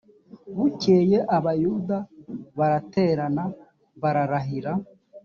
bukeye abayuda baraterana bararahira